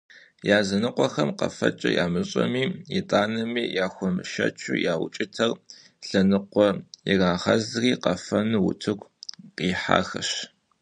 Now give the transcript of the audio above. Языныкъуэхэм къэфэкӏэ ямыщӏэми, итӏанэми яхуэмышэчу, я укӏытэр лъэныкъуэ ирагъэзри къэфэну утыку къихьахэщ.